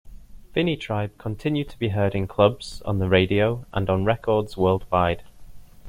Finitribe continue to be heard in clubs, on the radio and on records worldwide.